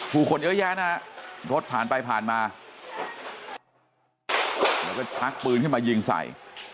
ผู้คนเยอะแยะนะฮะรถผ่านไปผ่านมาแล้วก็ชักปืนขึ้นมายิงใส่